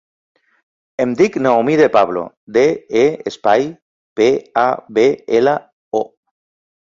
Em dic Naomi De Pablo: de, e, espai, pe, a, be, ela, o.